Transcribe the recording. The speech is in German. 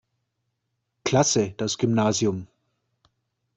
Klasse das Gymnasium.